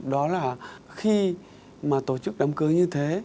đó là khi mà tổ chức đám cưới như thế